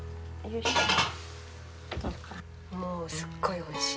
もうすごいおいしい。